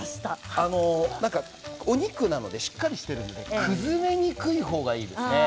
お肉なのでしっかりしているので崩れにくい方がいいですね。